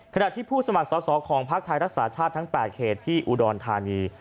ขณะที่ผู้สมัครสอสอของภักดิ์ไทยรักษาชาติทั้ง๘เขตที่อุดรธานี